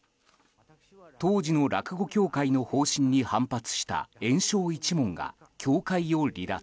当時の落語協会の方針に反発した圓生一門が協会を離脱。